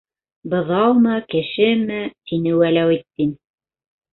Быҙаумы, кешеме? - тине Вәләүетдин.